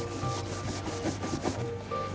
tanah yang tadi yang solid